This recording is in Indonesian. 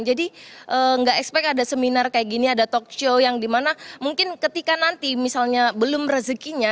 jadi nggak expect ada seminar kayak gini ada talkshow yang dimana mungkin ketika nanti misalnya belum rezekinya